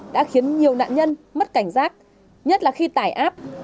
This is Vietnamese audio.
đã khiến nhiều nạn nhân mất cảnh giác nhất là khi tải app